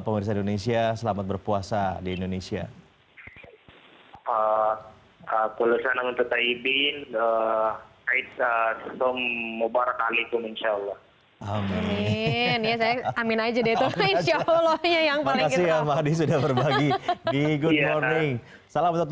seperti posisi luar biasa tuh pak bisa ini sudah my momen teruskan tolong ya aturea nonton tiga